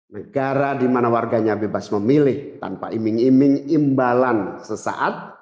negara di mana warganya bebas memilih tanpa iming iming imbalan sesaat